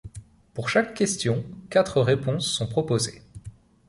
Pour chaque question, quatre réponses sont proposées.